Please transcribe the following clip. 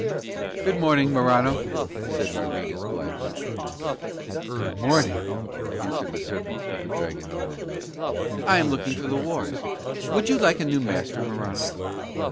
"Good morning, Morano," said Rodriguez blithely. "Good morning," answered the servant of the Dragon and Knight. "I am looking for the wars. Would you like a new master, Morano?"